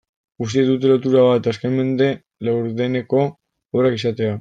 Guztiek dute lotura bat, azken mende laurdeneko obrak izatea.